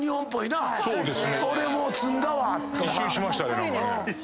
一周しましたね何かね。